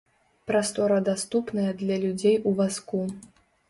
Прастора даступная для людзей у вазку.